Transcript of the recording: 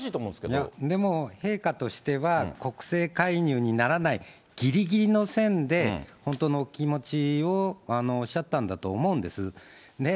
いや、でも陛下としては国政介入にならない、ぎりぎりの線で本当のお気持ちをおっしゃったんだと思うんです。